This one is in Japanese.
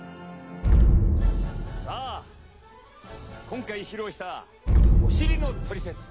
さあ今回披露したお尻のトリセツ。